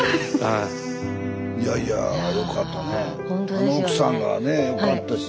あの奥さんがねよかったし。